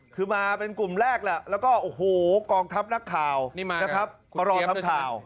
คือมาเป็นกลุ่มแรกแหละแล้วก็โอ้โหกองทัพนักข่าวนะครับมารอทำข่าว